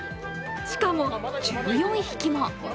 しかも１４匹も！